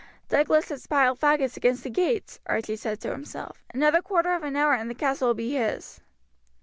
"Douglas has piled faggots against the gates," Archie said to himself. "Another quarter of an hour and the castle will be his."